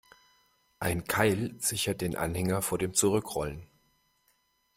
Ein Keil sichert den Anhänger vor dem Zurückrollen.